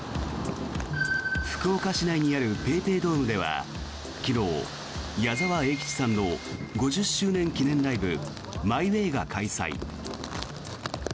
福岡市内にあるＰａｙＰａｙドームでは昨日、矢沢永吉さんの５０周年記念ライブＭＹＷＡＹが開催。